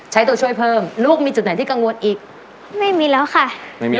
ตัวช่วยเพิ่มลูกมีจุดไหนที่กังวลอีกไม่มีแล้วค่ะไม่มี